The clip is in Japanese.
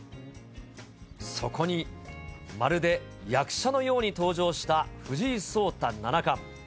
そこに、まるで役者のように登場した藤井聡太七冠。